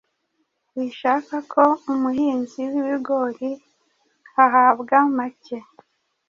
wishaka ko umuhinzi w’ibigori ahabwa macye